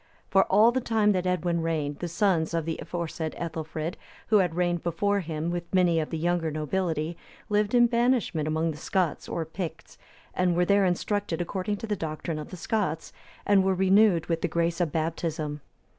For all the time that Edwin reigned, the sons of the aforesaid Ethelfrid, who had reigned before him, with many of the younger nobility, lived in banishment among the Scots or Picts, and were there instructed according to the doctrine of the Scots, and were renewed with the grace of Baptism.